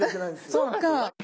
そっか。